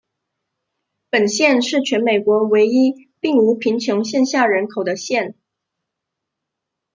本县是全美国唯一并无贫穷线下人口的县。